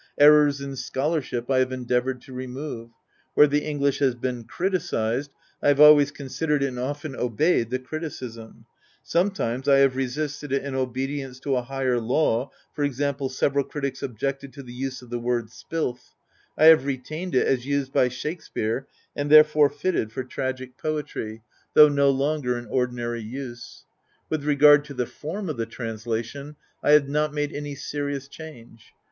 Errors in scholarship I have endeavoured to remove : where the English has been criticized, I have always considered, and often obeyed, the criticism : sometimes I have resisted it in obedience to a higher law, —^.^., several critics objected to the use of the word '< spilth '*; I have retained it, as used by Shakespeare, and therefore fitted for tragic poetry, i xxxiv THE HOUSE OF ATREUS though no longer in ordinary use. With regard to the farm of the translation, I have not made any serious change.